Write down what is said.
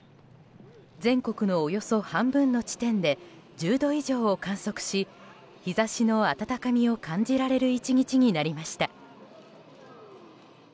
全国のおよそ半分の地点で１０度以上を観測し日差しの暖かみを感じられる１日になりました。